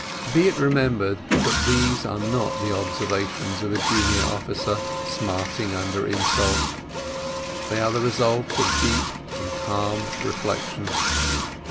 But it remembered that these are not the observations of a junior officer smarting under insult they are the result of deep and calm reflection.